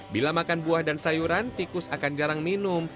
bila makan buah dan sayuran tikus akan jarang minum